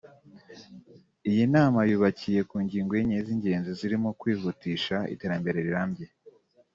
Iyi nama yubakiye ku ngingo enye z’ingenzi zirimo kwihutisha iterambere rirambye